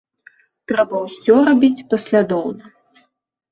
Трэба ўсё рабіць паслядоўна.